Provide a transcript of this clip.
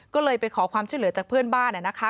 ก็เลยไปขอความช่วยเหลือจากเพื่อนบ้านนะคะ